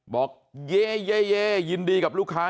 บอกเย่ยินดีกับลูกค้า